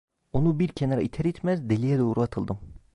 Onu bir kenara iter itmez deliğe doğru atıldım.